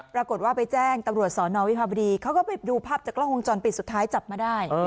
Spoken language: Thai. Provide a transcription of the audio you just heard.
ปรากฏว่าไปแจ้งตำรวจสอนอวิภาบดีเขาก็ไปดูภาพจากกล้องวงจรปิดสุดท้ายจับมาได้